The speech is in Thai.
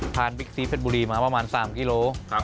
ทานพริกซีเผ็ดบุรีมาประมาณ๓กิโลครับ